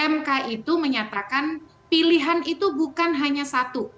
mk itu menyatakan pilihan itu bukan hanya satu